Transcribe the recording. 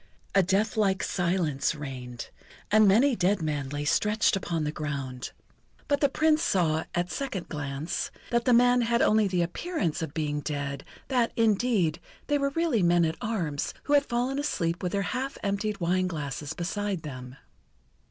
A deathlike silence reigned, and many dead men lay stretched upon the ground. But the Prince saw, at a second glance, that the men had only the appearance of being dead, that, indeed, they were really men at arms, who had fallen asleep with their half emptied wine glasses beside them.